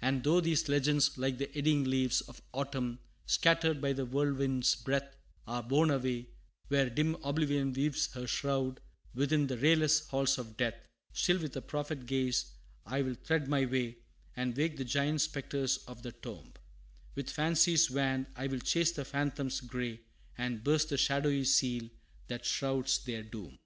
And though these legends, like the eddying leaves Of autumn, scattered by the whirlwind's breath, Are borne away where dim Oblivion weaves Her shroud, within the rayless halls of death; Still with a prophet gaze I'll thread my way, And wake the giant spectres of the tomb; With fancy's wand I'll chase the phantoms gray, And burst the shadowy seal that shrouds their doom.